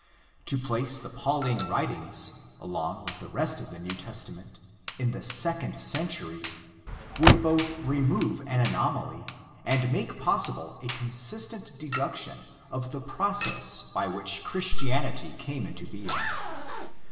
To place the Pauline writings, along with the rest of the New Testa ment, in the second century, would both remove an anomaly and make possible a consistent deduction of the process by which Christianity came into being.